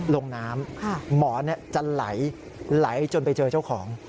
ลงน้ำหมอนเนี้ยจะไหลไหลจนไปเจอเจ้าของ